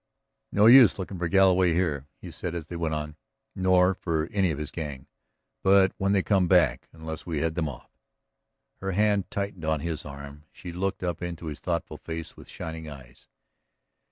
"No use looking for Galloway here," he said as they went on. "Nor for any of his gang. But, when they come back ... unless we head them off ..." Her hand tightened on his arm. She looked up into his thoughtful face with shining eyes.